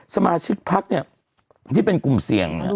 สมาชิกพักเนี่ยที่เป็นกลุ่มเสี่ยง